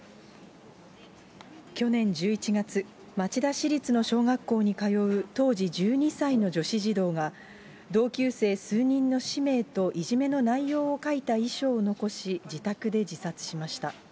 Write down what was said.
去年１１月、町田市立の小学校に通う当時１２歳の女子児童が、同級生数人の氏名といじめの内容を書いた遺書を残し、自宅で自殺しました。